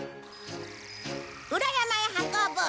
裏山へ運ぶ。